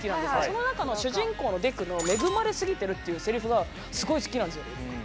その中の主人公のデクのっていうセリフがすごい好きなんですよ。